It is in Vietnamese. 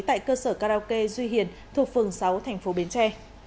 tại cơ sở karaoke duy hiền thuộc phường sáu thành phố bến tre